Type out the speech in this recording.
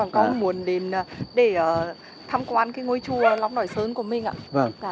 con muốn đến để thăm quan ngôi chùa lóc đoại sơn của mình ạ